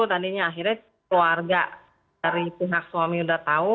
tadinya akhirnya keluarga dari pihak suami udah tahu